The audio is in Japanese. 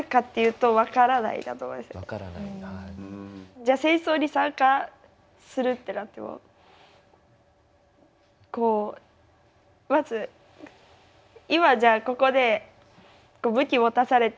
じゃあ戦争に参加するってなってもこうまず今じゃあここで武器持たされて